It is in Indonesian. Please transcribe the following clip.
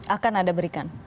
akan ada berikan